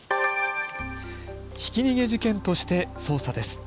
ひき逃げ事件として捜査です。